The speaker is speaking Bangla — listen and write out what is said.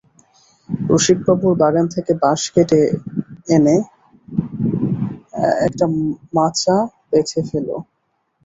রসিকবাবুর বাগান থেকে বাঁশ কেটে এলে একটা মাচা বেঁধে ফ্যালো।